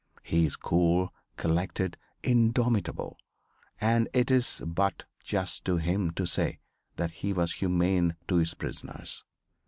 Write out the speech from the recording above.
He is cool, collected, indomitable; and it is but just to him to say that he was humane to his prisoners.